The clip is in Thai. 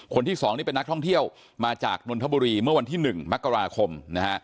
คนที่๒นี่เป็นนักท่องเที่ยวมาจากนนทบุรีเมื่อวันที่๑มกราคมนะฮะ